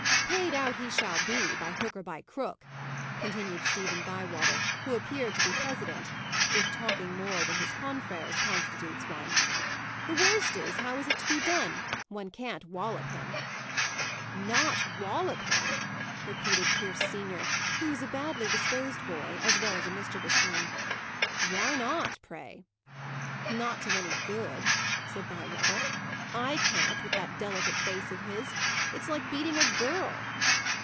"Paid out he shall be, by hook or by crook," continued Stephen Bywater, who appeared to be president if talking more than his confrères constitutes one. "The worst is, how is it to be done? One can't wallop him." "Not wallop him!" repeated Pierce senior, who was a badly disposed boy, as well as a mischievous one. "Why not, pray?" "Not to any good," said Bywater. "I can't, with that delicate face of his. It's like beating a girl."